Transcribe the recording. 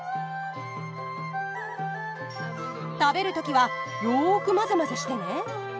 食べるときはよくまぜまぜしてね。